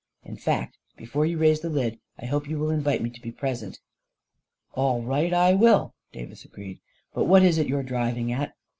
In fact, before you raise the lid, I hope you will invite me to be pres ent." 44 All right; I will," Davis agreed. "But what is it you're driving at?